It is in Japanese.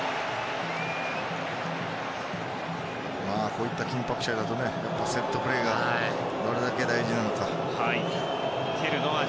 こういった緊迫した試合だとセットプレーがどれだけ大事になるか。